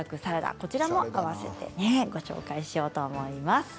こちらもあわせてご紹介しようと思います。